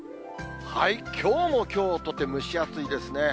きょうもきょうとて蒸し暑いですね。